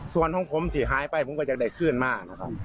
ส่วนของผมที่หายไปมันก็จักรได้ขืนมา